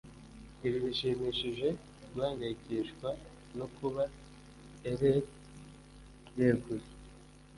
Ibi bishimishije guhangayikishwa no kuba e'er yeguye,